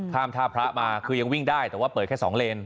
ท่าพระมาคือยังวิ่งได้แต่ว่าเปิดแค่๒เลน